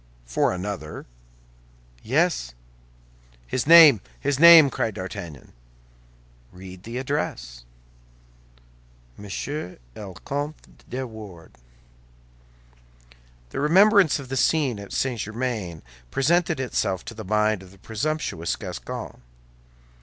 "For another?" "Yes." "His name; his name!" cried D'Artagnan. "Read the address." "Monsieur El Comte de Wardes." The remembrance of the scene at St. Germain presented itself to the mind of the presumptuous Gascon.